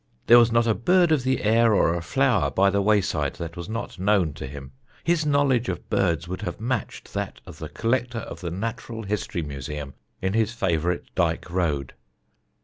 There was not a bird of the air or a flower by the wayside that was not known to him. His knowledge of birds would have matched that of the collector of the Natural History Museum in his favourite Dyke Road."